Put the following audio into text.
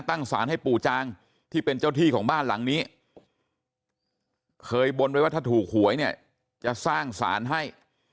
สารให้ปู่จางที่เป็นเจ้าที่ของบ้านหลังนี้เคยบนไว้ว่าถ้าถูกหวยเนี่ยจะสร้างสารให้